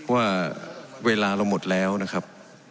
ว่าเวลาเราหมดแล้วนะครับ